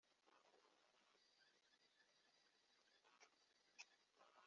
eshatu nakubiswe inkoni c igihe kimwe natewe amabuye